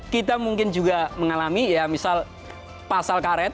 kita mungkin juga mengalami ya misal pasal karet